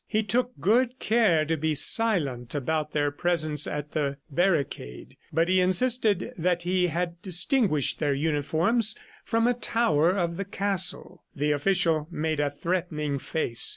He took good care to be silent about their presence at the barricade, but he insisted that he had distinguished their uniforms from a tower of the castle. The official made a threatening face.